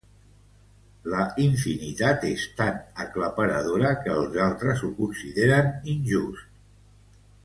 La infinitat és tan aclaparadora que els altres ho consideren injust.